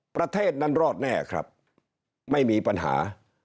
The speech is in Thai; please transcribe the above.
ประเทศนั้นรอดแน่ครับไม่มีปัญหา